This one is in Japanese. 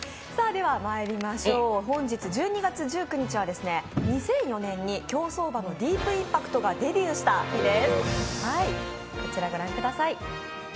本日１２月１９日は２００４年に競走馬のディープインパクトがデビューした日です。